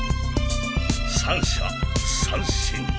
三者三振。